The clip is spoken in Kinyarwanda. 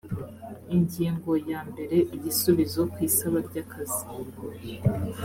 ingingo ya mbere igisubizo ku isaba ryakazi